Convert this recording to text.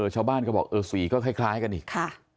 ชาวบ้านก็บอกเออสีก็คล้ายกันอีก